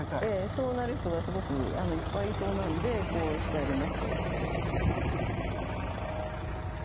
そうなる人がすごくいっぱいいそうなのでこうしてあります。